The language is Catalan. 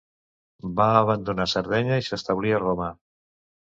Va abandonar Sardenya i s'establí a Roma.